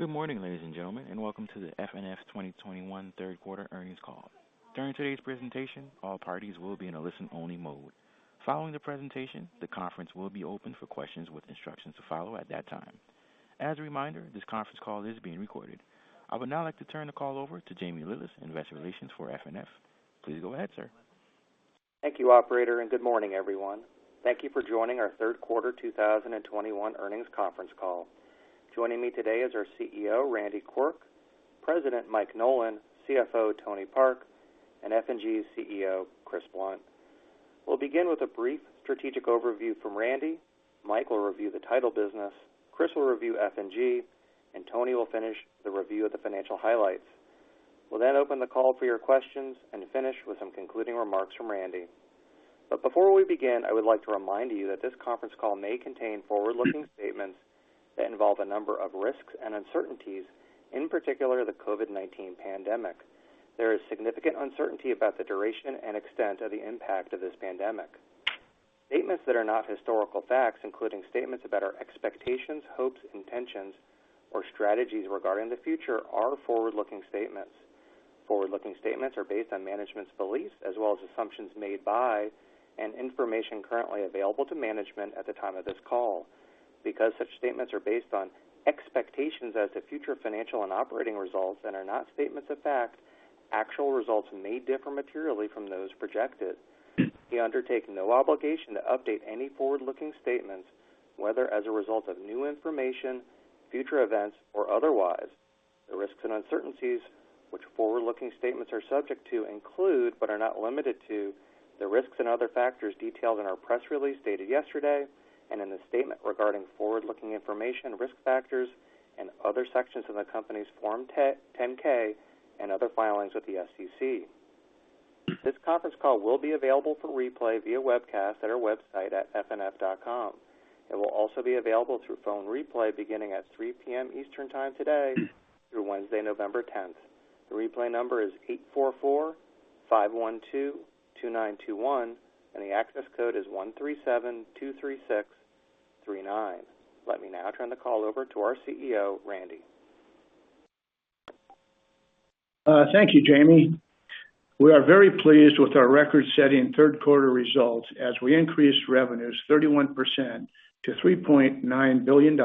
Good morning, ladies and gentlemen, and welcome to the FNF 2021 third quarter earnings call. During today's presentation, all parties will be in a listen-only mode. Following the presentation, the conference will be open for questions with instructions to follow at that time. As a reminder, this conference call is being recorded. I would now like to turn the call over to Jamie Lillis, Investor Relations for FNF. Please go ahead, sir. Thank you, operator, and good morning, everyone. Thank you for joining our third quarter 2021 earnings conference call. Joining me today is our CEO, Randy Quirk; President, Mike Nolan; CFO, Tony Park; and F&G's CEO, Chris Blunt. We'll begin with a brief strategic overview from Randy. Mike will review the title business. Chris will review F&G, and Tony will finish the review of the financial highlights. We'll then open the call for your questions and finish with some concluding remarks from Randy. Before we begin, I would like to remind you that this conference call may contain forward-looking statements that involve a number of risks and uncertainties, in particular, the COVID-19 pandemic. There is significant uncertainty about the duration and extent of the impact of this pandemic. Statements that are not historical facts, including statements about our expectations, hopes, intentions, or strategies regarding the future are forward-looking statements. Forward-looking statements are based on management's beliefs as well as assumptions made by and information currently available to management at the time of this call. Because such statements are based on expectations as to future financial and operating results and are not statements of fact, actual results may differ materially from those projected. We undertake no obligation to update any forward-looking statements, whether as a result of new information, future events, or otherwise. The risks and uncertainties which forward-looking statements are subject to include, but are not limited to, the risks and other factors detailed in our press release dated yesterday and in the statement regarding forward-looking information, risk factors, and other sections of the company's Form 10-K and other filings with the SEC. This conference call will be available for replay via webcast at our website at fnf.com. It will also be available through phone replay beginning at 3:00 P.M. Eastern Time today through Wednesday, November 10. The replay number is 844-512-2921 and the access code is 13723639. Let me now turn the call over to our CEO, Randy. Thank you, Jamie. We are very pleased with our record-setting third quarter results as we increased revenues 31% to $3.9 billion,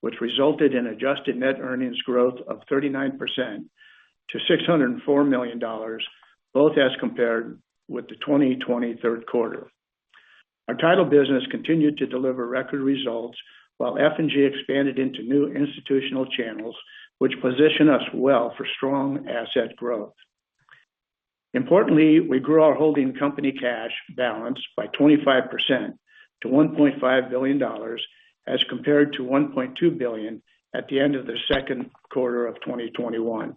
which resulted in adjusted net earnings growth of 39% to $604 million, both as compared with the 2023 third quarter. Our title business continued to deliver record results while F&G expanded into new institutional channels, which position us well for strong asset growth. Importantly, we grew our holding company cash balance by 25% to $1.5 billion as compared to $1.2 billion at the end of the second quarter of 2021.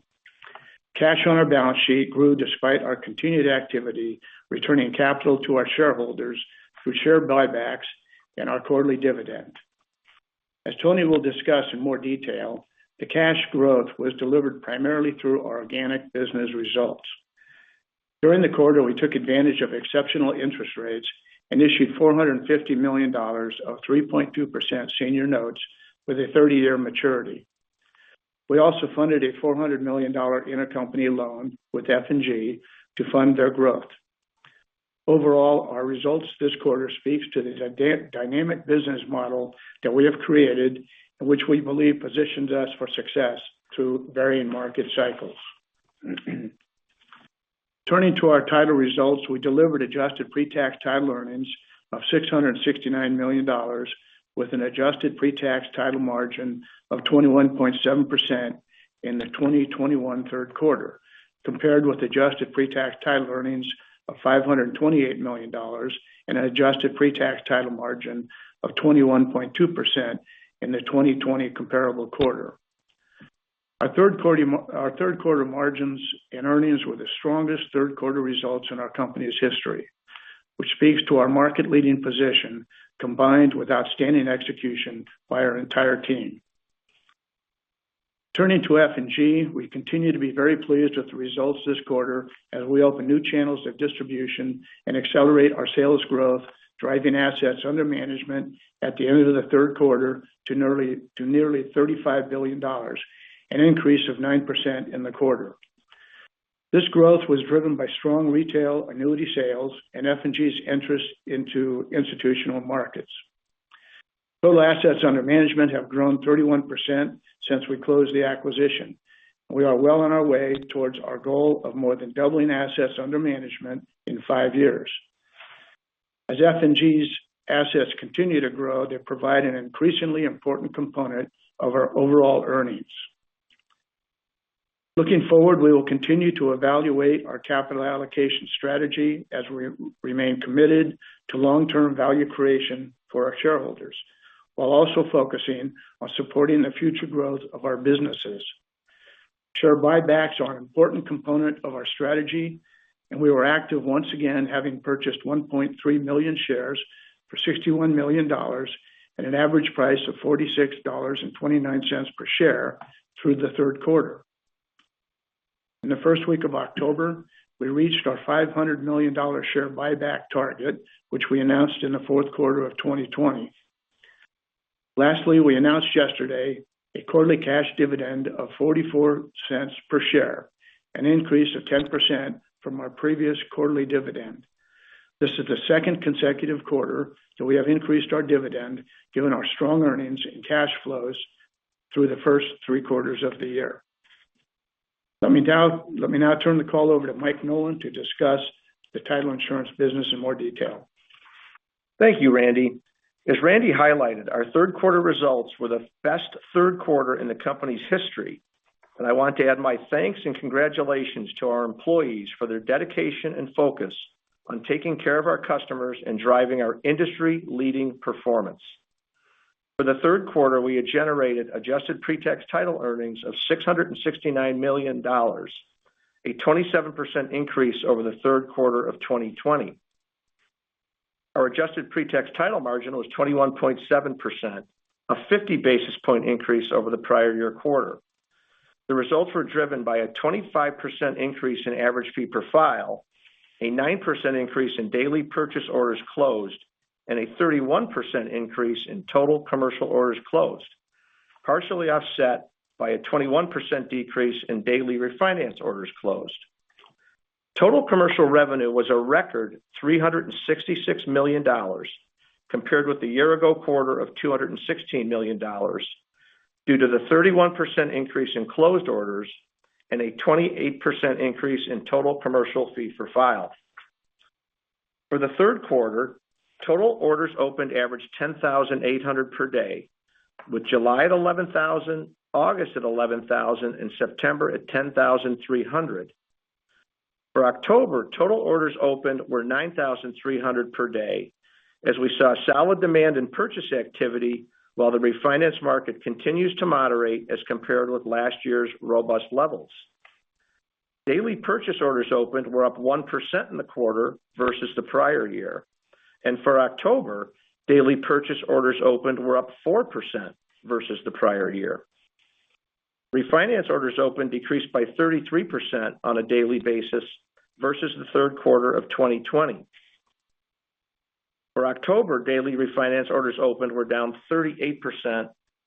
Cash on our balance sheet grew despite our continued activity, returning capital to our shareholders through share buybacks and our quarterly dividend. As Tony will discuss in more detail, the cash growth was delivered primarily through our organic business results. During the quarter, we took advantage of exceptional interest rates and issued $450 million of 3.2% senior notes with a 30-year maturity. We also funded a $400 million intercompany loan with F&G to fund their growth. Overall, our results this quarter speaks to the dynamic business model that we have created and which we believe positions us for success through varying market cycles. Turning to our title results, we delivered adjusted pre-tax title earnings of $669 million with an adjusted pre-tax title margin of 21.7% in the 2021 third quarter, compared with adjusted pre-tax title earnings of $528 million and an adjusted pre-tax title margin of 21.2% in the 2020 comparable quarter. Our third quarter margins and earnings were the strongest third quarter results in our company's history, which speaks to our market-leading position, combined with outstanding execution by our entire team. Turning to F&G, we continue to be very pleased with the results this quarter as we open new channels of distribution and accelerate our sales growth, driving assets under management at the end of the third quarter to nearly $35 billion, an increase of 9% in the quarter. This growth was driven by strong retail annuity sales and F&G's entry into institutional markets. Total assets under management have grown 31% since we closed the acquisition. We are well on our way towards our goal of more than doubling assets under management in five years. As F&G's assets continue to grow, they provide an increasingly important component of our overall earnings. Looking forward, we will continue to evaluate our capital allocation strategy as we remain committed to long-term value creation for our shareholders, while also focusing on supporting the future growth of our businesses. Share buybacks are an important component of our strategy, and we were active once again having purchased 1.3 million shares for $61 million at an average price of $46.29 per share through the third quarter. In the first week of October, we reached our $500 million share buyback target, which we announced in the fourth quarter of 2020. Lastly, we announced yesterday a quarterly cash dividend of $0.44 per share, an increase of 10% from our previous quarterly dividend. This is the second consecutive quarter that we have increased our dividend given our strong earnings and cash flows through the first three quarters of the year. Let me now turn the call over to Mike Nolan to discuss the title insurance business in more detail. Thank you, Randy. As Randy highlighted, our third quarter results were the best third quarter in the company's history. I want to add my thanks and congratulations to our employees for their dedication and focus on taking care of our customers and driving our industry-leading performance. For the third quarter, we had generated adjusted pre-tax title earnings of $669 million, a 27% increase over the third quarter of 2020. Our adjusted pre-tax title margin was 21.7%, a 50 basis point increase over the prior year quarter. The results were driven by a 25% increase in average fee per file, a 9% increase in daily purchase orders closed, and a 31% increase in total commercial orders closed. Partially offset by a 21% decrease in daily refinance orders closed. Total commercial revenue was a record $366 million compared with the year ago quarter of $216 million due to the 31% increase in closed orders and a 28% increase in total commercial fee for file. For the third quarter, total orders opened averaged 10,800 per day, with July at 11,000, August at 11,000, and September at 10,300. For October, total orders opened were 9,300 per day as we saw solid demand in purchase activity while the refinance market continues to moderate as compared with last year's robust levels. Daily purchase orders opened were up 1% in the quarter versus the prior year. For October, daily purchase orders opened were up 4% versus the prior year. Refinance orders opened decreased by 33% on a daily basis versus the third quarter of 2020. For October, daily refinance orders opened were down 38%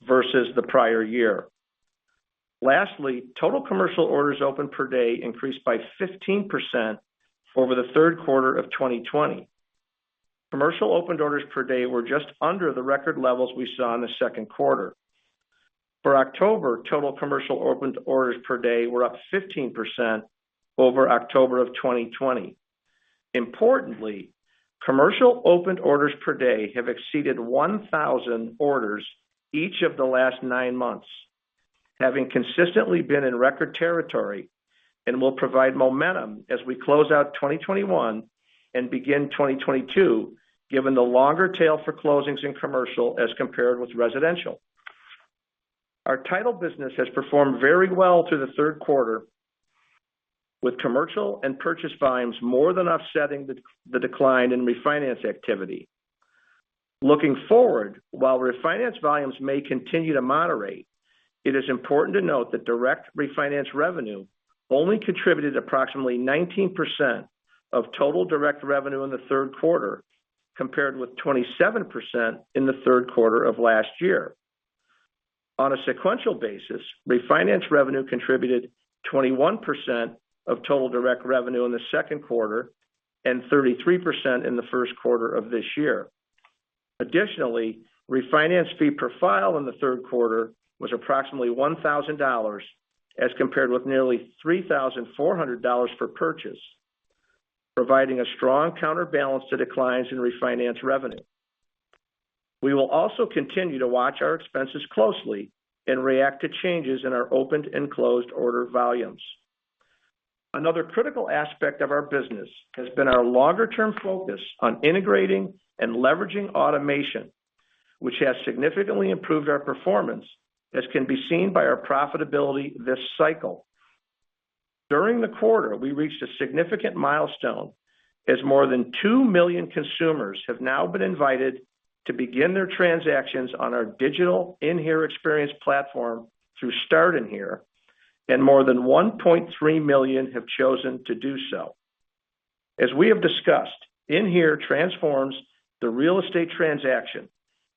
versus the prior year. Lastly, total commercial orders opened per day increased by 15% over the third quarter of 2020. Commercial opened orders per day were just under the record levels we saw in the second quarter. For October, total commercial opened orders per day were up 15% over October of 2020. Importantly, commercial opened orders per day have exceeded 1,000 orders each of the last nine months, having consistently been in record territory and will provide momentum as we close out 2021 and begin 2022, given the longer tail for closings in commercial as compared with residential. Our title business has performed very well through the third quarter with commercial and purchase volumes more than offsetting the decline in refinance activity. Looking forward, while refinance volumes may continue to moderate, it is important to note that direct refinance revenue only contributed approximately 19% of total direct revenue in the third quarter, compared with 27% in the third quarter of last year. On a sequential basis, refinance revenue contributed 21% of total direct revenue in the second quarter and 33% in the first quarter of this year. Additionally, refinance fee per file in the third quarter was approximately $1,000 as compared with nearly $3,400 for purchase, providing a strong counterbalance to declines in refinance revenue. We will also continue to watch our expenses closely and react to changes in our opened and closed order volumes. Another critical aspect of our business has been our longer-term focus on integrating and leveraging automation, which has significantly improved our performance, as can be seen by our profitability this cycle. During the quarter, we reached a significant milestone, as more than 2 million consumers have now been invited to begin their transactions on our digital inHere experience platform through Start inHere, and more than 1.3 million have chosen to do so. As we have discussed, inHere transforms the real estate transaction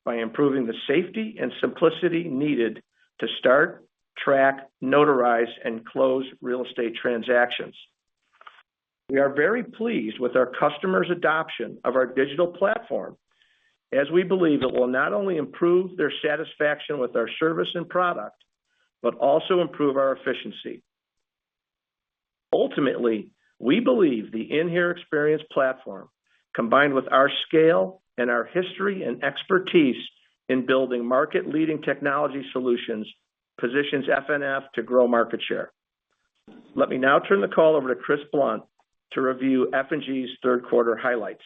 by improving the safety and simplicity needed to start, track, notarize, and close real estate transactions. We are very pleased with our customers' adoption of our digital platform, as we believe it will not only improve their satisfaction with our service and product, but also improve our efficiency. Ultimately, we believe the inHere experience platform, combined with our scale and our history and expertise in building market-leading technology solutions, positions FNF to grow market share. Let me now turn the call over to Chris Blunt to review F&G's third quarter highlights.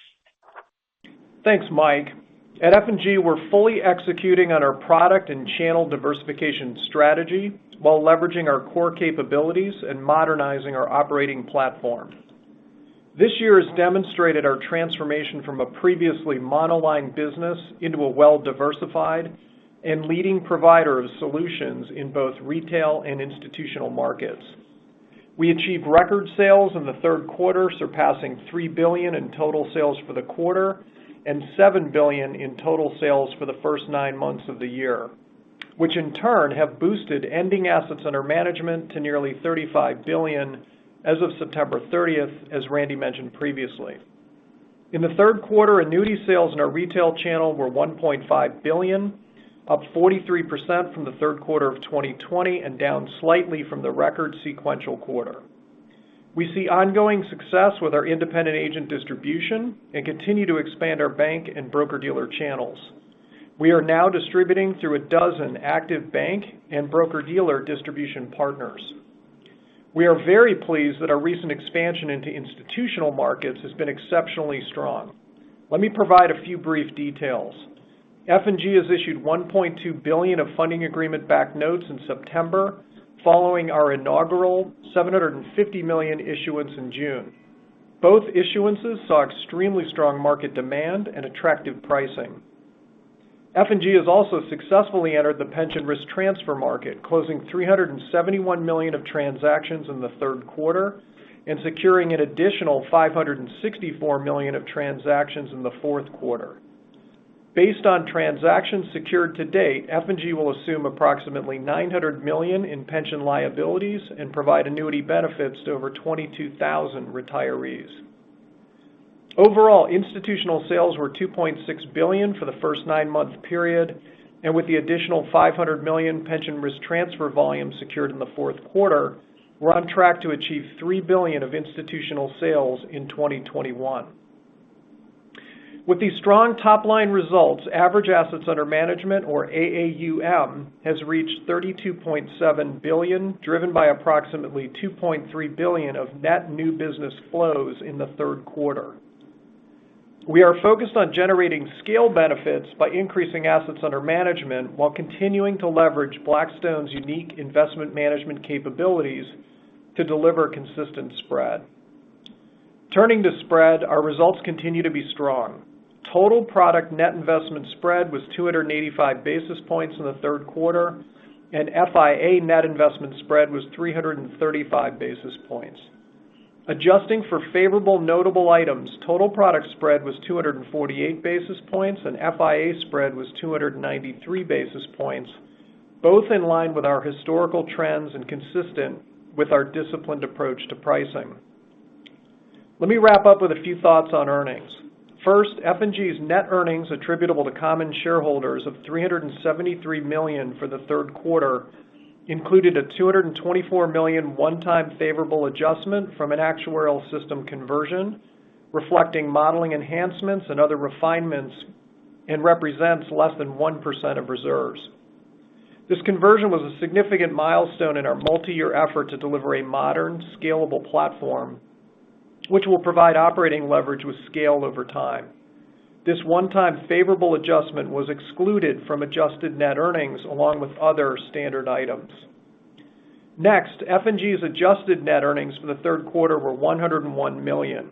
Thanks, Mike. At F&G, we're fully executing on our product and channel diversification strategy while leveraging our core capabilities and modernizing our operating platform. This year has demonstrated our transformation from a previously monoline business into a well-diversified and leading provider of solutions in both retail and institutional markets. We achieved record sales in the third quarter, surpassing $3 billion in total sales for the quarter and $7 billion in total sales for the first nine months of the year, which in turn have boosted ending assets under management to nearly $35 billion as of September 30, as Randy mentioned previously. In the third quarter, annuity sales in our retail channel were $1.5 billion, up 43% from the third quarter of 2020 and down slightly from the record sequential quarter. We see ongoing success with our independent agent distribution and continue to expand our bank and broker-dealer channels. We are now distributing through a dozen active bank and broker-dealer distribution partners. We are very pleased that our recent expansion into institutional markets has been exceptionally strong. Let me provide a few brief details. F&G has issued $1.2 billion of funding agreement-backed notes in September following our inaugural $750 million issuance in June. Both issuances saw extremely strong market demand and attractive pricing. F&G has also successfully entered the pension risk transfer market, closing $371 million of transactions in the third quarter and securing an additional $564 million of transactions in the fourth quarter. Based on transactions secured to date, F&G will assume approximately $900 million in pension liabilities and provide annuity benefits to over 22,000 retirees. Overall, institutional sales were $2.6 billion for the first nine-month period, and with the additional $500 million pension risk transfer volume secured in the fourth quarter, we're on track to achieve $3 billion of institutional sales in 2021. With these strong top-line results, average assets under management, or AAUM, has reached $32.7 billion, driven by approximately $2.3 billion of net new business flows in the third quarter. We are focused on generating scale benefits by increasing assets under management while continuing to leverage Blackstone's unique investment management capabilities to deliver consistent spread. Turning to spread, our results continue to be strong. Total product net investment spread was 285 basis points in the third quarter, and FIA net investment spread was 335 basis points. Adjusting for favorable notable items, total product spread was 248 basis points, and FIA spread was 293 basis points, both in line with our historical trends and consistent with our disciplined approach to pricing. Let me wrap up with a few thoughts on earnings. First, F&G's net earnings attributable to common shareholders of $373 million for the third quarter included a $224 million one-time favorable adjustment from an actuarial system conversion reflecting modeling enhancements and other refinements and represents less than 1% of reserves. This conversion was a significant milestone in our multi-year effort to deliver a modern, scalable platform which will provide operating leverage with scale over time. This one-time favorable adjustment was excluded from adjusted net earnings along with other standard items. Next, F&G's adjusted net earnings for the third quarter were $101 million.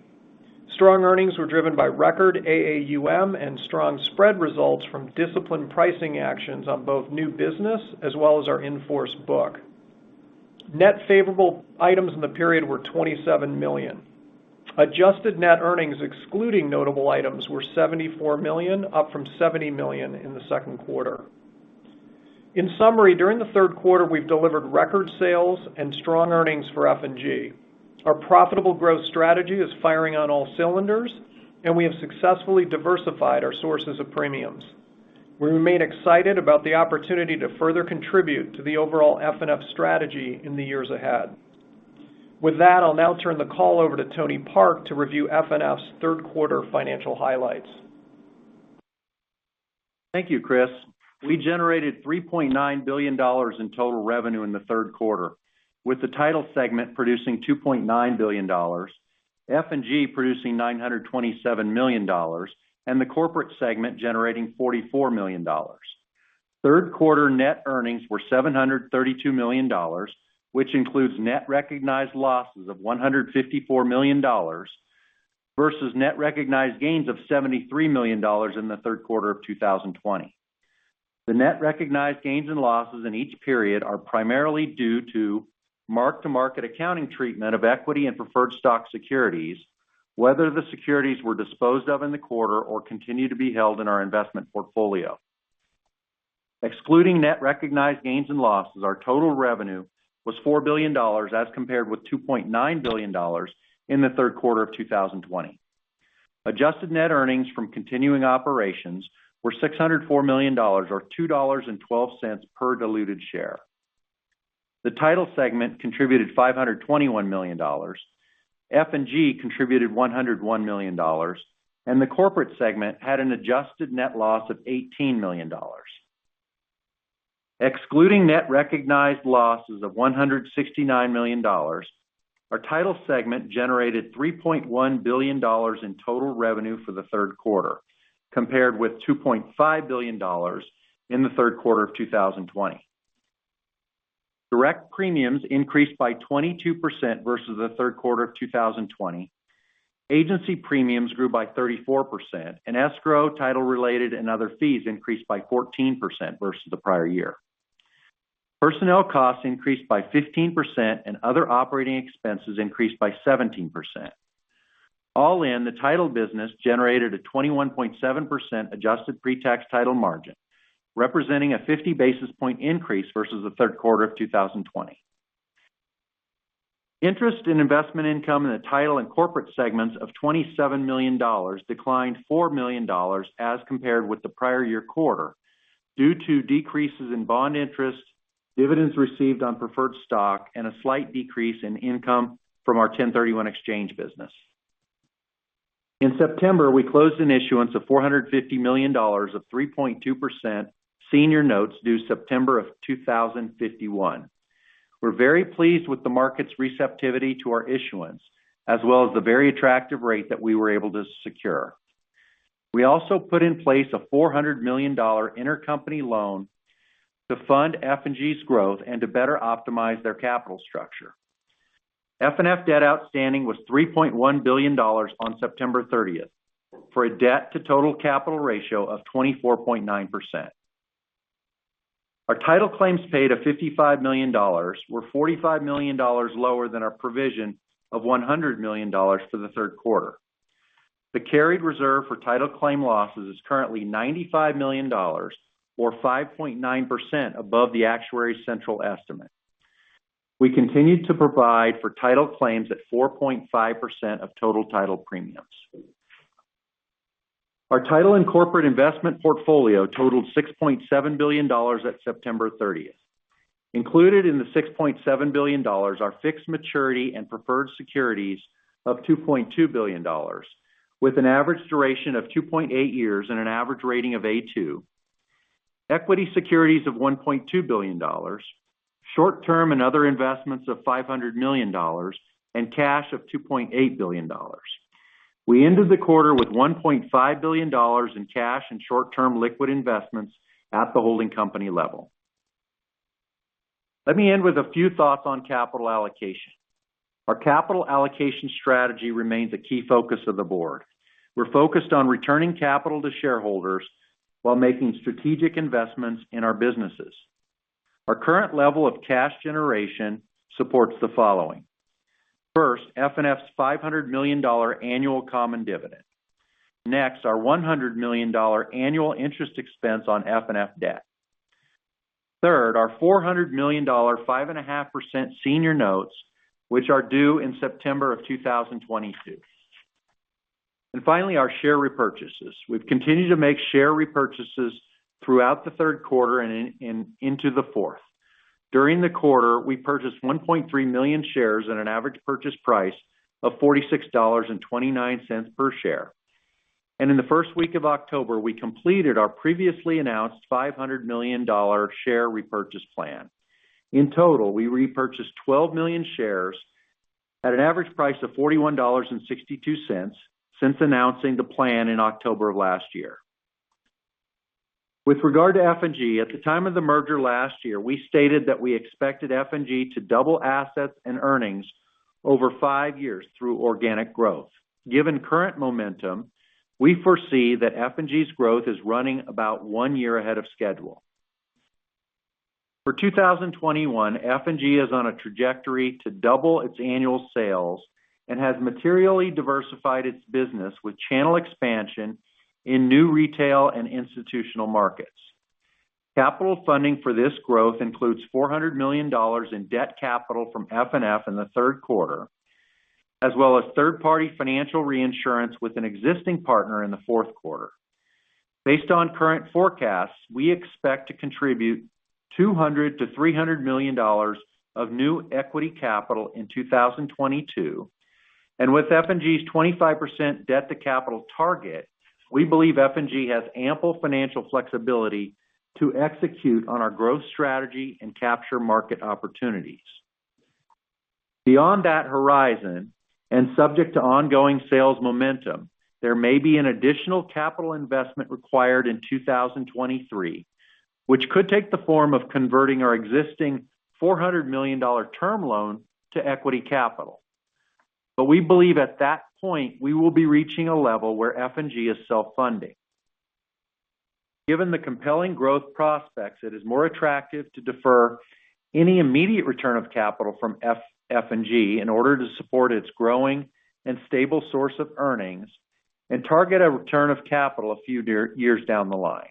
Strong earnings were driven by record AAUM and strong spread results from disciplined pricing actions on both new business as well as our in-force book. Net favorable items in the period were $27 million. Adjusted net earnings excluding notable items were $74 million, up from $70 million in the second quarter. In summary, during the third quarter, we've delivered record sales and strong earnings for F&G. Our profitable growth strategy is firing on all cylinders, and we have successfully diversified our sources of premiums. We remain excited about the opportunity to further contribute to the overall FNF strategy in the years ahead. With that, I'll now turn the call over to Tony Park to review FNF's third quarter financial highlights. Thank you, Chris. We generated $3.9 billion in total revenue in the third quarter, with the Title segment producing $2.9 billion, F&G producing $927 million, and the Corporate segment generating $44 million. Third quarter net earnings were $732 million, which includes net recognized losses of $154 million versus net recognized gains of $73 million in the third quarter of 2020. The net recognized gains and losses in each period are primarily due to mark-to-market accounting treatment of equity and preferred stock securities, whether the securities were disposed of in the quarter or continue to be held in our investment portfolio. Excluding net recognized gains and losses, our total revenue was $4 billion as compared with $2.9 billion in the third quarter of 2020. Adjusted net earnings from continuing operations were $604 million or $2.12 per diluted share. The title segment contributed $521 million, F&G contributed $101 million, and the corporate segment had an adjusted net loss of $18 million. Excluding net recognized losses of $169 million, our title segment generated $3.1 billion in total revenue for the third quarter compared with $2.5 billion in the third quarter of 2020. Direct premiums increased by 22% versus the third quarter of 2020. Agency premiums grew by 34%, and escrow, title-related, and other fees increased by 14% versus the prior year. Personnel costs increased by 15% and other operating expenses increased by 17%. All in, the title business generated a 21.7% adjusted pre-tax title margin, representing a 50 basis points increase versus the third quarter of 2020. Interest and investment income in the title and corporate segments of $27 million declined $4 million as compared with the prior year quarter due to decreases in bond interest, dividends received on preferred stock, and a slight decrease in income from our 1031 exchange business. In September, we closed an issuance of $450 million of 3.2% senior notes due September 2051. We're very pleased with the market's receptivity to our issuance, as well as the very attractive rate that we were able to secure. We also put in place a $400 million intercompany loan to fund F&G's growth and to better optimize their capital structure. FNF debt outstanding was $3.1 billion on September thirtieth, for a debt to total capital ratio of 24.9%. Our title claims paid of $55 million were $45 million lower than our provision of $100 million for the third quarter. The carried reserve for title claim losses is currently $95 million or 5.9% above the actuary's central estimate. We continue to provide for title claims at 4.5% of total title premiums. Our title and corporate investment portfolio totaled $6.7 billion at September thirtieth. Included in the $6.7 billion are fixed maturity and preferred securities of $2.2 billion, with an average duration of 2.8 years and an average rating of A2. Equity securities of $1.2 billion, short-term and other investments of $500 million, and cash of $2.8 billion. We ended the quarter with $1.5 billion in cash and short-term liquid investments at the holding company level. Let me end with a few thoughts on capital allocation. Our capital allocation strategy remains a key focus of the board. We're focused on returning capital to shareholders while making strategic investments in our businesses. Our current level of cash generation supports the following. First, FNF's $500 million annual common dividend. Next, our $100 million annual interest expense on FNF debt. Third, our $400 million 5.5% senior notes, which are due in September 2022. Finally, our share repurchases. We've continued to make share repurchases throughout the third quarter and into the fourth. During the quarter, we purchased 1.3 million shares at an average purchase price of $46.29 per share. In the first week of October, we completed our previously announced $500 million share repurchase plan. In total, we repurchased 12 million shares at an average price of $41.62 since announcing the plan in October of last year. With regard to F&G, at the time of the merger last year, we stated that we expected F&G to double assets and earnings over five years through organic growth. Given current momentum, we foresee that F&G's growth is running about one year ahead of schedule. For 2021, F&G is on a trajectory to double its annual sales and has materially diversified its business with channel expansion in new retail and institutional markets. Capital funding for this growth includes $400 million in debt capital from FNF in the third quarter, as well as third-party financial reinsurance with an existing partner in the fourth quarter. Based on current forecasts, we expect to contribute $200 million-$300 million of new equity capital in 2022. With F&G's 25% debt to capital target, we believe F&G has ample financial flexibility to execute on our growth strategy and capture market opportunities. Beyond that horizon, and subject to ongoing sales momentum, there may be an additional capital investment required in 2023, which could take the form of converting our existing $400 million term loan to equity capital. We believe at that point, we will be reaching a level where F&G is self-funding. Given the compelling growth prospects, it is more attractive to defer any immediate return of capital from F&G in order to support its growing and stable source of earnings and target a return of capital a few years down the line.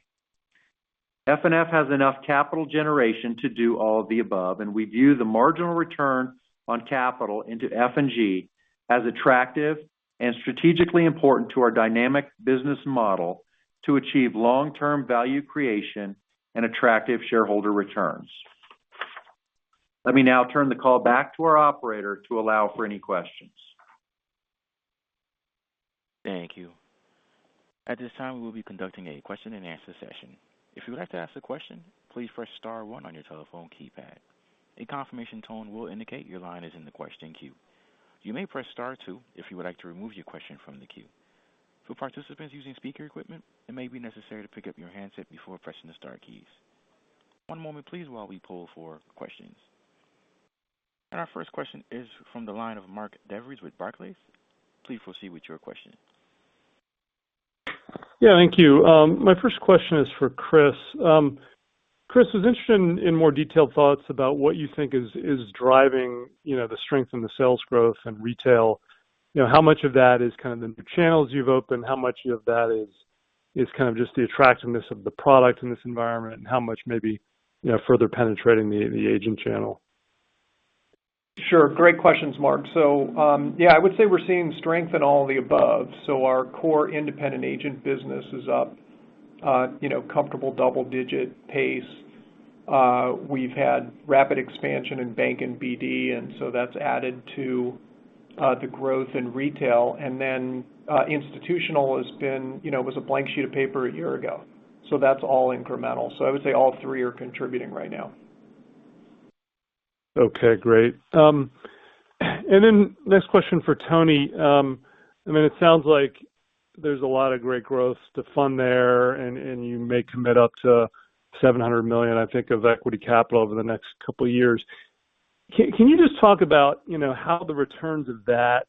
FNF has enough capital generation to do all of the above, and we view the marginal return on capital into F&G as attractive and strategically important to our dynamic business model to achieve long-term value creation and attractive shareholder returns. Let me now turn the call back to our operator to allow for any questions. Thank you. At this time, we will be conducting a question-and-answer session. If you would like to ask a question, please press star one on your telephone keypad. A confirmation tone will indicate your line is in the question queue. You may press star two if you would like to remove your question from the queue. For participants using speaker equipment, it may be necessary to pick up your handset before pressing the star keys. One moment please while we pull for questions. Our first question is from the line of Mark DeVries with Barclays. Please proceed with your question. Yeah. Thank you. My first question is for Chris. Chris, I was interested in more detailed thoughts about what you think is driving, you know, the strength in the sales growth and retail. You know, how much of that is kind of the channels you've opened? How much of that is kind of just the attractiveness of the product in this environment? And how much may be, you know, further penetrating the agent channel? Sure. Great questions, Mark. Yeah, I would say we're seeing strength in all of the above. Our core independent agent business is up, you know, comfortable double-digit pace. We've had rapid expansion in bank and BD, and so that's added to the growth in retail. Then, institutional has been, you know, it was a blank sheet of paper a year ago, so that's all incremental. I would say all three are contributing right now. Okay, great. Next question for Tony. I mean, it sounds like there's a lot of great growth to fund there, and you may commit up to $700 million, I think, of equity capital over the next couple of years. Can you just talk about, you know, how the returns of that,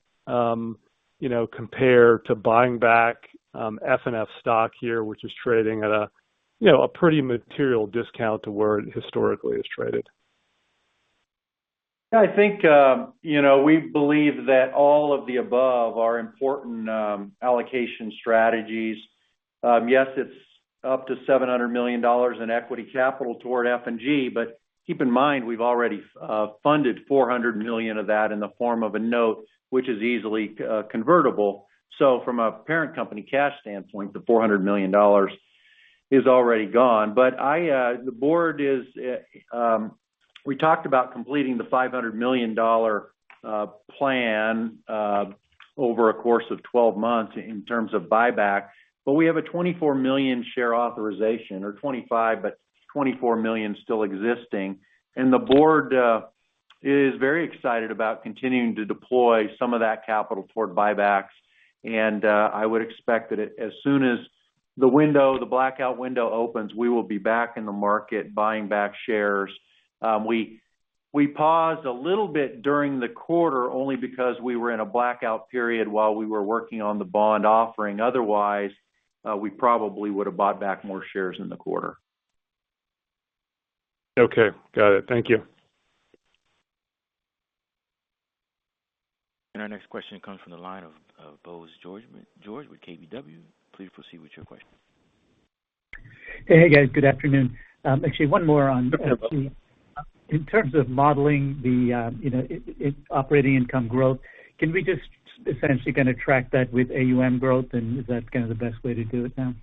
you know, compare to buying back, FNF stock here, which is trading at a, you know, a pretty material discount to where it historically has traded? I think, you know, we believe that all of the above are important allocation strategies. Yes, it's up to $700 million in equity capital toward F&G, but keep in mind, we've already funded $400 million of that in the form of a note, which is easily convertible. So from a parent company cash standpoint, the $400 million is already gone. But the board is, we talked about completing the $500 million plan over a course of 12 months in terms of buyback. But we have a 24 million share authorization or 25, but 24 million still existing. The board is very excited about continuing to deploy some of that capital toward buybacks. I would expect that as soon as the window, the blackout window opens, we will be back in the market buying back shares. We paused a little bit during the quarter only because we were in a blackout period while we were working on the bond offering. Otherwise, we probably would have bought back more shares in the quarter. Okay. Got it. Thank you. Our next question comes from the line of Bose George with KBW. Please proceed with your question. Hey. Good afternoon. Actually one more on- Yeah. In terms of modeling the, you know, operating income growth, can we just essentially kind of track that with AUM growth, and is that kind of the best way to do it now?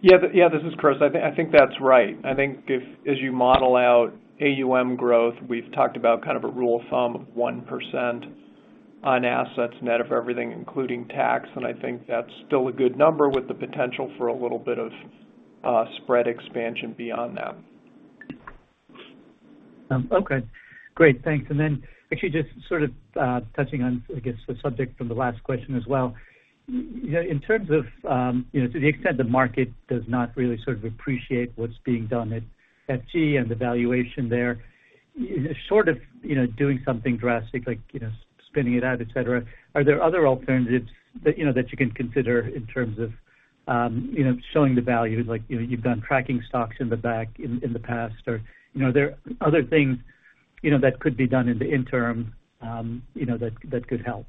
Yeah, this is Chris. I think that's right. I think if as you model out AUM growth, we've talked about kind of a rule of thumb of 1% on assets net of everything, including tax. I think that's still a good number with the potential for a little bit of spread expansion beyond that. Actually just sort of touching on, I guess, the subject from the last question as well. You know, in terms of, you know, to the extent the market does not really sort of appreciate what's being done at F&G and the valuation there. Sort of, you know, doing something drastic like, you know, spinning it out, et cetera. Are there other alternatives that, you know, you can consider in terms of, you know, showing the value like, you know, you've done tracking stocks in the past, or, you know, are there other things, you know, that could be done in the interim, you know, that could help?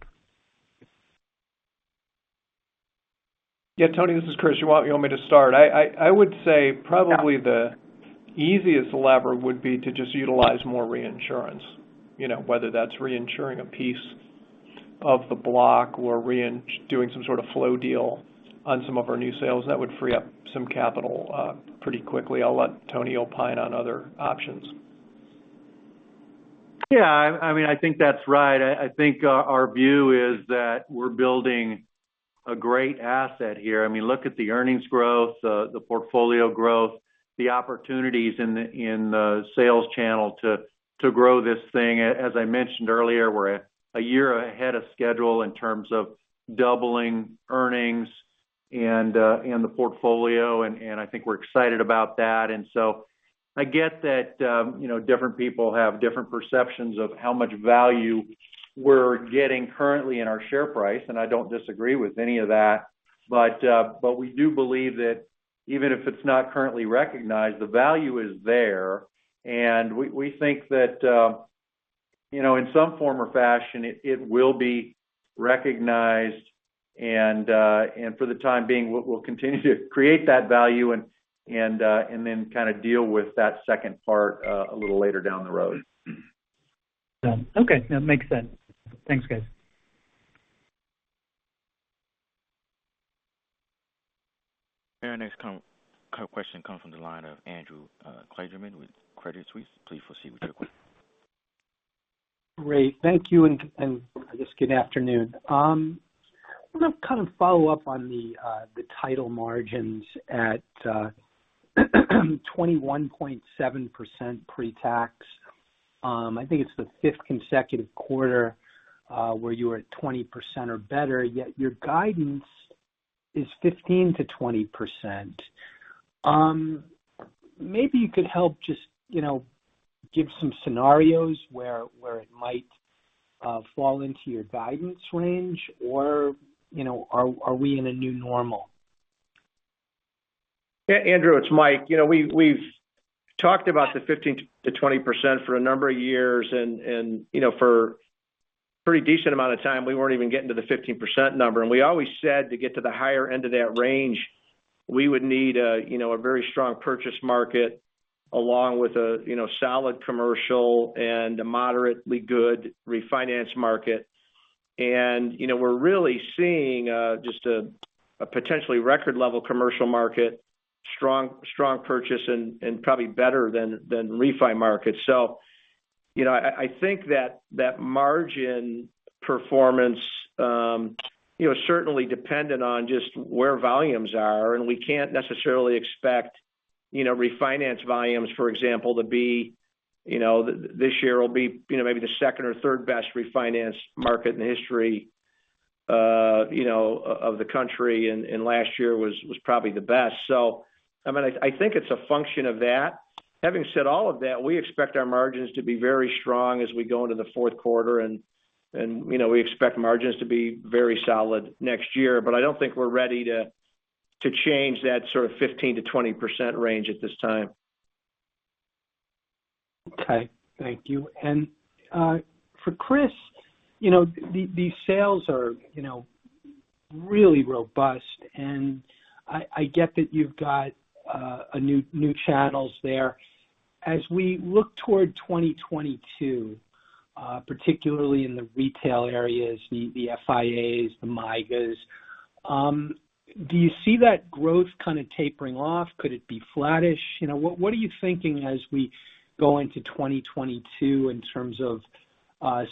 Yeah. Tony, this is Chris. You want me to start? I would say probably the easiest lever would be to just utilize more reinsurance, you know, whether that's reinsuring a piece of the block or doing some sort of flow deal on some of our new sales, that would free up some capital pretty quickly. I'll let Tony opine on other options. Yeah. I mean, I think that's right. I think our view is that we're building a great asset here. I mean, look at the earnings growth, the portfolio growth, the opportunities in the sales channel to grow this thing. As I mentioned earlier, we're a year ahead of schedule in terms of doubling earnings and the portfolio, and I think we're excited about that. I get that, you know, different people have different perceptions of how much value we're getting currently in our share price, and I don't disagree with any of that. We do believe that even if it's not currently recognized, the value is there. We think that, you know, in some form or fashion, it will be recognized. For the time being, we'll continue to create that value and then kind of deal with that second part a little later down the road. Okay. That makes sense. Thanks, guys. Our next question comes from the line of Andrew Kligerman with Credit Suisse. Please proceed with your question. Great. Thank you. I guess good afternoon. I want to kind of follow up on the title margins at 21.7% pretax. I think it's the fifth consecutive quarter where you were at 20% or better, yet your guidance is 15%-20%. Maybe you could help just, you know, give some scenarios where it might fall into your guidance range or, you know, are we in a new normal? Yeah, Andrew, it's Mike. You know, we've talked about the 15%-20% for a number of years and, you know, for pretty decent amount of time, we weren't even getting to the 15% number. We always said to get to the higher end of that range, we would need a, you know, a very strong purchase market along with a, you know, solid commercial and a moderately good refinance market. You know, we're really seeing just a potentially record level commercial market, strong purchase and probably better than refi market. You know, I think that margin performance certainly dependent on just where volumes are, and we can't necessarily expect refinance volumes, for example, to be this year will be maybe the second or third best refinance market in the history of the country, and last year was probably the best. I mean, I think it's a function of that. Having said all of that, we expect our margins to be very strong as we go into the fourth quarter and you know, we expect margins to be very solid next year. I don't think we're ready to change that sort of 15%-20% range at this time. Okay. Thank you. For Chris, you know, these sales are, you know, really robust, and I get that you've got a new channels there. As we look toward 2022, particularly in the retail areas, the FIAs, the MYGAs, do you see that growth kind of tapering off? Could it be flattish? You know, what are you thinking as we go into 2022 in terms of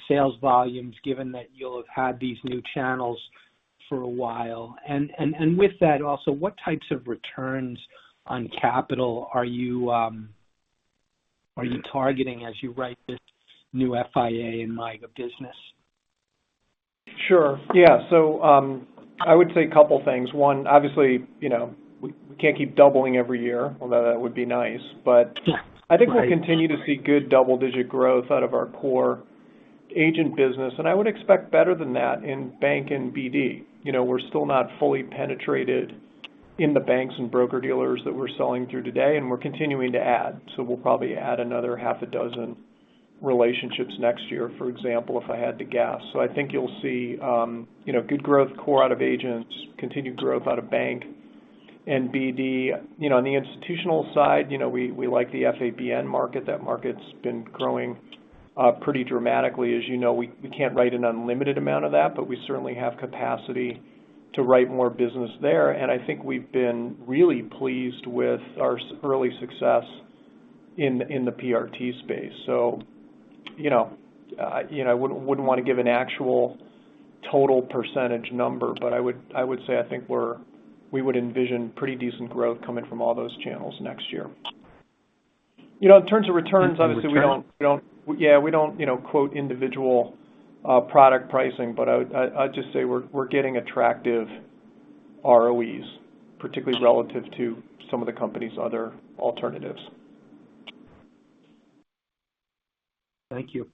sales volumes, given that you'll have had these new channels for a while? With that also, what types of returns on capital are you targeting as you write this new FIA and MYGA business? Sure. Yeah. I would say a couple things. One, obviously, you know, we can't keep doubling every year, although that would be nice. Yeah. I think we'll continue to see good double-digit growth out of our core agent business, and I would expect better than that in bank and BD. You know, we're still not fully penetrated in the banks and broker-dealers that we're selling through today, and we're continuing to add. We'll probably add another half a dozen relationships next year, for example, if I had to guess. I think you'll see, you know, good growth core out of agents, continued growth out of bank and BD. You know, on the institutional side, you know, we like the FABN market. That market's been growing pretty dramatically. As you know, we can't write an unlimited amount of that, but we certainly have capacity to write more business there. I think we've been really pleased with our early success in the PRT space. You know, you know, I wouldn't want to give an actual total percentage number, but I would say I think we would envision pretty decent growth coming from all those channels next year. You know, in terms of returns, obviously, we don't- In terms of returns. Yeah, we don't, you know, quote individual product pricing, but I'd just say we're getting attractive ROEs, particularly relative to some of the company's other alternatives. Thank you.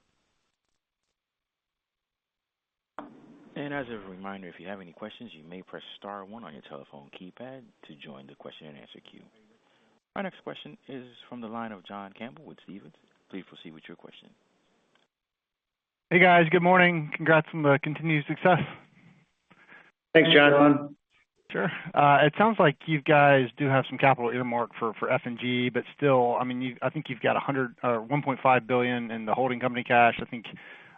As a reminder, if you have any questions, you may press star one on your telephone keypad to join the question-and-answer queue. Our next question is from the line of John Campbell with Stephens. Please proceed with your question. Hey, guys. Good morning. Congrats on the continued success. Thanks, John. Thanks, John. Sure. It sounds like you guys do have some capital earmarked for F&G, but still, I mean, I think you've got $1.5 billion in the holding company cash. I think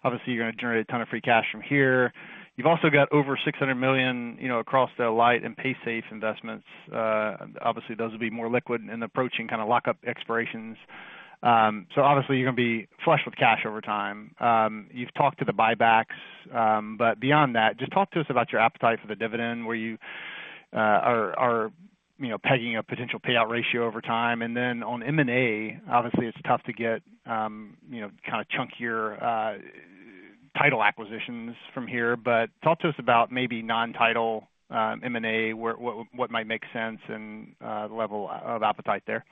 obviously you're going to generate a ton of free cash from here. You've also got over $600 million, you know, across the Alight and Paysafe investments. Obviously those will be more liquid and approaching kind of lockup expirations. Obviously you're going to be flush with cash over time. You've talked to the buybacks. Beyond that, just talk to us about your appetite for the dividend, where you are, you know, pegging a potential payout ratio over time. On M&A, obviously it's tough to get, you know, kind of chunkier title acquisitions from here. Talk to us about maybe non-title M&A, what might make sense and the level of appetite there?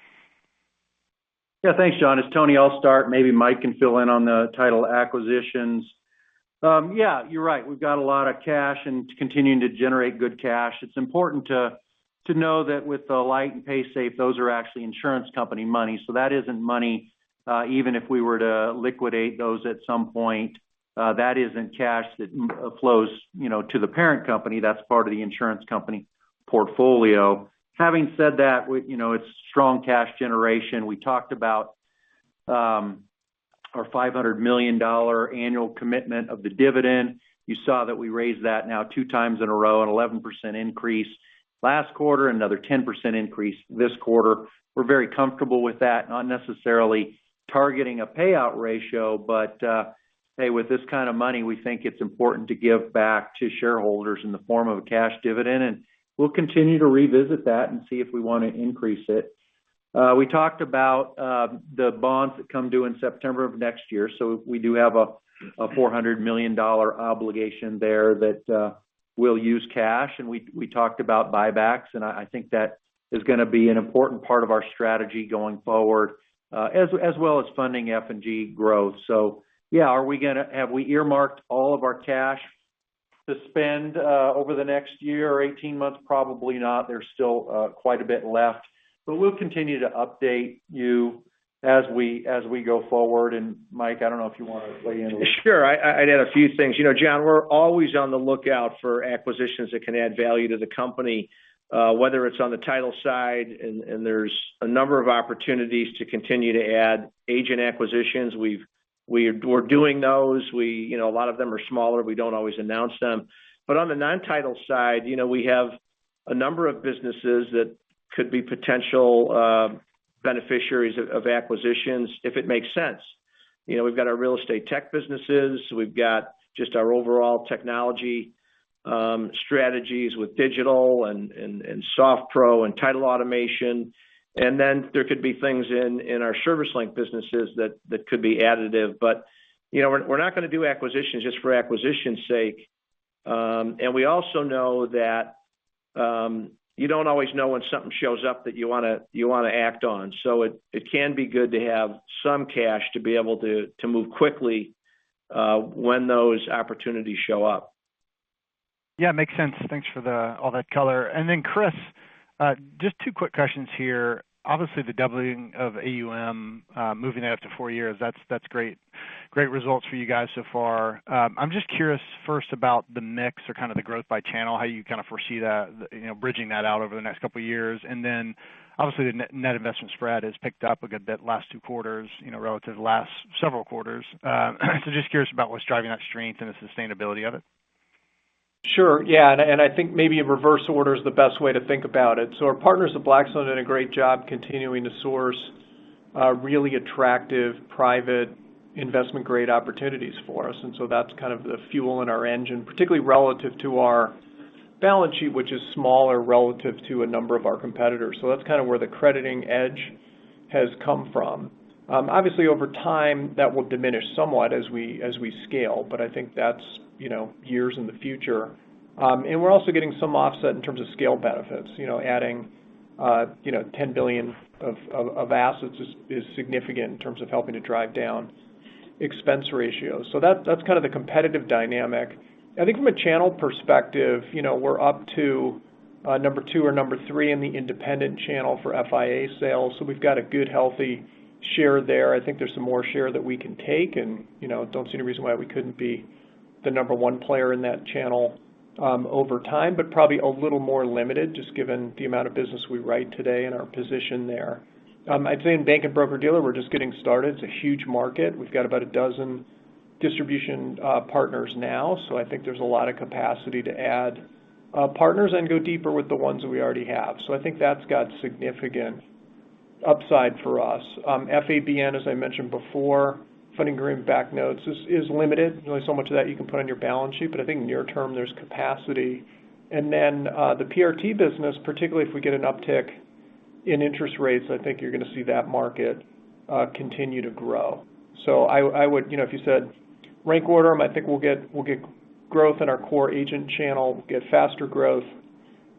Yeah. Thanks, John. It's Tony. I'll start. Maybe Mike can fill in on the title acquisitions. Yeah, you're right. We've got a lot of cash and continuing to generate good cash. It's important to know that with the Alight and Paysafe, those are actually insurance company money. So that isn't money, even if we were to liquidate those at some point, that isn't cash that flows, you know, to the parent company. That's part of the insurance company portfolio. Having said that, you know, it's strong cash generation. We talked about our $500 million annual commitment of the dividend. You saw that we raised that now two times in a row, an 11% increase last quarter, another 10% increase this quarter. We're very comfortable with that, not necessarily targeting a payout ratio, but, hey, with this kind of money, we think it's important to give back to shareholders in the form of a cash dividend, and we'll continue to revisit that and see if we want to increase it. We talked about the bonds that come due in September of next year. We do have a $400 million obligation there that we'll use cash. We talked about buybacks, and I think that is gonna be an important part of our strategy going forward, as well as funding F&G growth. Yeah, have we earmarked all of our cash to spend over the next year or 18 months? Probably not. There's still quite a bit left. We'll continue to update you as we go forward. Mike, I don't know if you wanna weigh in a little. Sure. I'd add a few things. You know, John, we're always on the lookout for acquisitions that can add value to the company, whether it's on the title side, and there's a number of opportunities to continue to add agent acquisitions. We're doing those. You know, a lot of them are smaller. We don't always announce them. On the non-title side, you know, we have a number of businesses that could be potential beneficiaries of acquisitions if it makes sense. You know, we've got our real estate tech businesses. We've got just our overall technology strategies with digital and SoftPro and title automation. Then there could be things in our ServiceLink businesses that could be additive. You know, we're not gonna do acquisitions just for acquisition's sake. We also know that you don't always know when something shows up that you wanna act on. It can be good to have some cash to be able to move quickly when those opportunities show up. Yeah, makes sense. Thanks for all that color. Chris, just two quick questions here. Obviously, the doubling of AUM, moving that to four years, that's great results for you guys so far. I'm just curious first about the mix or kind of the growth by channel, how you kind of foresee that, you know, bridging that out over the next couple of years. Obviously, the net investment spread has picked up a good bit last two quarters, you know, relative to the last several quarters. Just curious about what's driving that strength and the sustainability of it. Sure. Yeah. I think maybe in reverse order is the best way to think about it. Our partners at Blackstone did a great job continuing to source really attractive private investment-grade opportunities for us. That's kind of the fuel in our engine, particularly relative to our balance sheet, which is smaller relative to a number of our competitors. That's kind of where the crediting edge has come from. Obviously, over time, that will diminish somewhat as we scale, but I think that's, you know, years in the future. We're also getting some offset in terms of scale benefits. You know, adding, you know, $10 billion of assets is significant in terms of helping to drive down expense ratios. That's kind of the competitive dynamic. I think from a channel perspective, you know, we're up to number two or number three in the independent channel for FIA sales. We've got a good, healthy share there. I think there's some more share that we can take and, you know, don't see any reason why we couldn't be the number one player in that channel over time, but probably a little more limited, just given the amount of business we write today and our position there. I'd say in bank and broker-dealer, we're just getting started. It's a huge market. We've got about a dozen distribution partners now, so I think there's a lot of capacity to add partners and go deeper with the ones that we already have. I think that's got significant upside for us. FABN, as I mentioned before, funding agreement-backed notes, is limited. There's only so much of that you can put on your balance sheet, but I think near term, there's capacity. Then, the PRT business, particularly if we get an uptick in interest rates, I think you're gonna see that market continue to grow. I would, you know, if you said rank order them, I think we'll get growth in our core agent channel. We'll get faster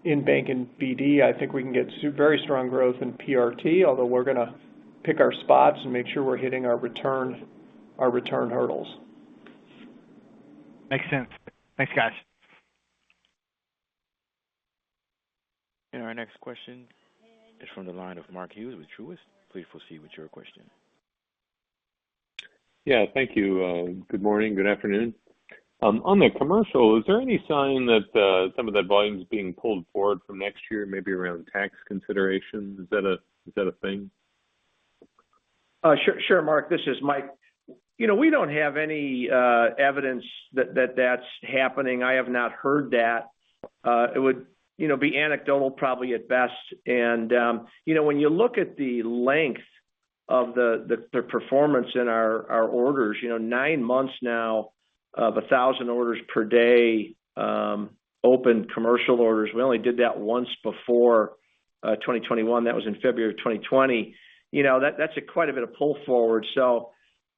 growth in bank and BD. I think we can get very strong growth in PRT, although we're gonna pick our spots and make sure we're hitting our return hurdles. Makes sense. Thanks, guys. Our next question is from the line of Mark Hughes with Truist. Please proceed with your question. Yeah. Thank you. Good morning, good afternoon. On the commercial, is there any sign that some of that volume is being pulled forward from next year, maybe around tax considerations? Is that a thing? Sure, Mark, this is Mike. You know, we don't have any evidence that that's happening. I have not heard that. It would, you know, be anecdotal probably at best. You know, when you look at the length of the performance in our orders, you know, 9 months now of 1,000 orders per day, open commercial orders. We only did that once before, 2021. That was in February of 2020. You know, that's quite a bit of pull forward.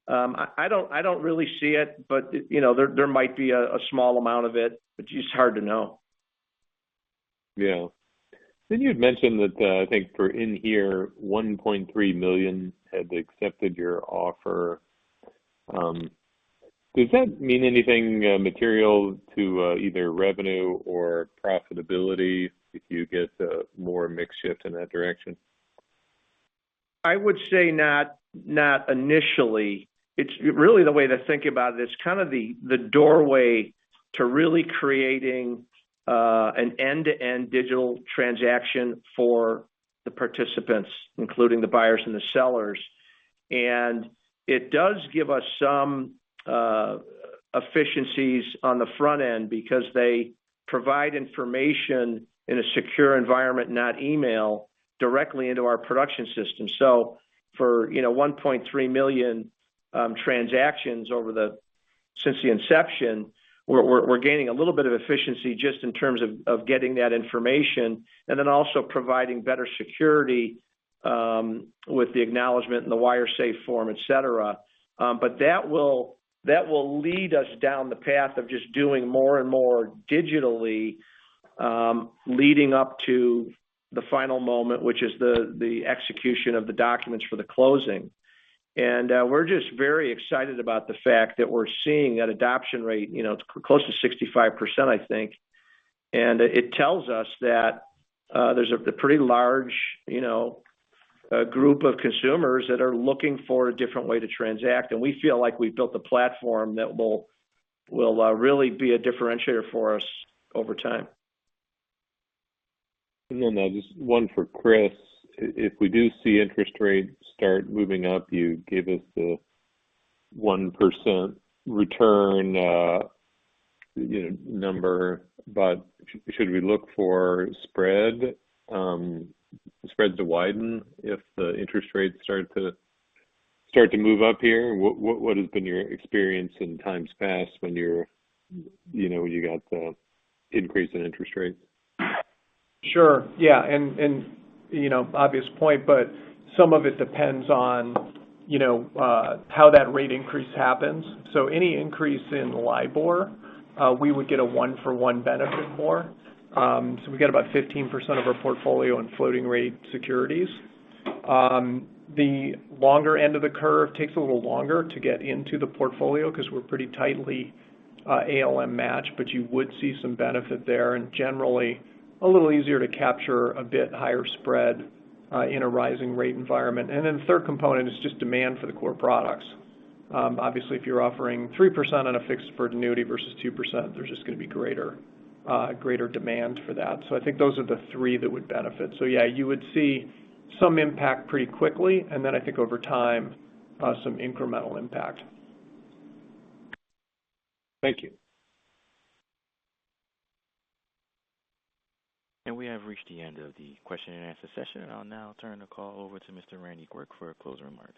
I don't really see it, but, you know, there might be a small amount of it, but just hard to know. Yeah. You'd mentioned that, I think for inHere, 1.3 million had accepted your offer. Does that mean anything material to either revenue or profitability if you get more mix shift in that direction? I would say not initially. It's really the way to think about it is kind of the doorway to really creating an end-to-end digital transaction for the participants, including the buyers and the sellers. It does give us some efficiencies on the front end because they provide information in a secure environment, not email, directly into our production system. For you know, 1.3 million transactions since the inception, we're gaining a little bit of efficiency just in terms of getting that information and then also providing better security with the acknowledgment and the WireSafe form, et cetera. But that will lead us down the path of just doing more and more digitally, leading up to the final moment, which is the execution of the documents for the closing. We're just very excited about the fact that we're seeing that adoption rate, you know, it's close to 65%, I think. It tells us that there's a pretty large, you know, group of consumers that are looking for a different way to transact. We feel like we've built a platform that will really be a differentiator for us over time. Then just one for Chris. If we do see interest rates start moving up, you gave us the 1% return, you know, number, but should we look for spreads to widen if the interest rates start to move up here? What has been your experience in times past when you know, got the increase in interest rates? Sure. Yeah. You know, obvious point, but some of it depends on, you know, how that rate increase happens. Any increase in LIBOR, we would get a one-for-one benefit for. We got about 15% of our portfolio in floating rate securities. The longer end of the curve takes a little longer to get into the portfolio 'cause we're pretty tightly ALM matched, but you would see some benefit there. Generally, a little easier to capture a bit higher spread in a rising rate environment. The third component is just demand for the core products. Obviously, if you're offering 3% on a fixed annuity versus 2%, there's just gonna be greater demand for that. I think those are the three that would benefit. Yeah, you would see some impact pretty quickly, and then I think over time, some incremental impact. Thank you. We have reached the end of the question and answer session. I'll now turn the call over to Mr. Randy Quirk for closing remarks.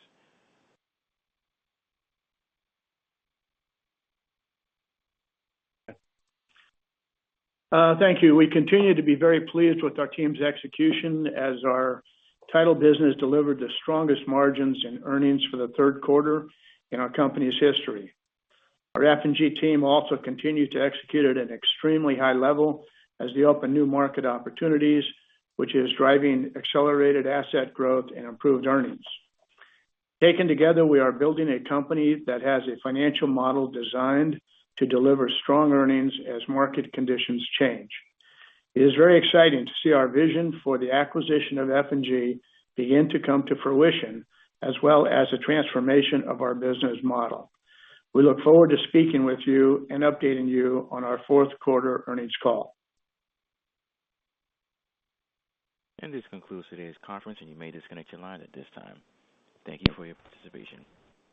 Thank you. We continue to be very pleased with our team's execution as our title business delivered the strongest margins in earnings for the third quarter in our company's history. Our F&G team also continued to execute at an extremely high level as they open new market opportunities, which is driving accelerated asset growth and improved earnings. Taken together, we are building a company that has a financial model designed to deliver strong earnings as market conditions change. It is very exciting to see our vision for the acquisition of F&G begin to come to fruition, as well as a transformation of our business model. We look forward to speaking with you and updating you on our fourth quarter earnings call. This concludes today's conference, and you may disconnect your line at this time. Thank you for your participation.